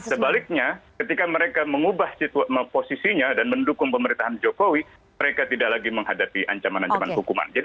sebaliknya ketika mereka mengubah posisinya dan mendukung pemerintahan jokowi mereka tidak lagi menghadapi ancaman ancaman hukuman